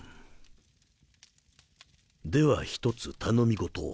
では１つ頼み事を。